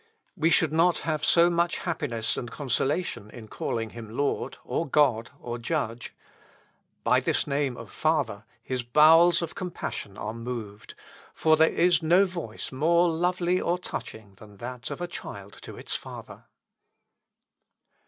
We should not have so much happiness and consolation in calling him Lord, or God, or Judge.... By this name of father his bowels of compassion are moved; for there is no voice more lovely or touching than that of a child to its father.